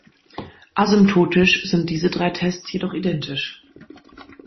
Asymptotisch sind diese drei Tests jedoch identisch.